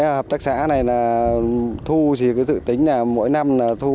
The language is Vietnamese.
hợp tác xã này thu chỉ có dự tính là mỗi năm thu